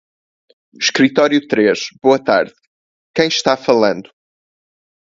Escritório três, boa tarde. Quem está falando?